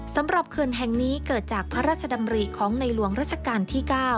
เขื่อนแห่งนี้เกิดจากพระราชดำริของในหลวงรัชกาลที่๙